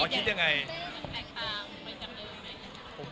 คิดยังไงบ้าง